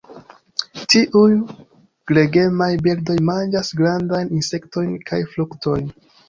Tiuj gregemaj birdoj manĝas grandajn insektojn kaj fruktojn.